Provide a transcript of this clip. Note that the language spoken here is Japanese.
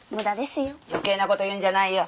余計な事言うんじゃないよ。